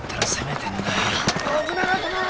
信長様！